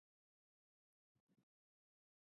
تاسي يو وار بيا سوچ وکړئ!